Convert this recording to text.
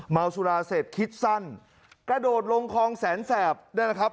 เมาสุราเสร็จคิดสั้นกระโดดลงคลองแสนแสบนั่นแหละครับ